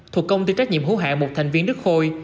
thuộc công ty trách nhiệm hữu hạ một thành viên đức khôi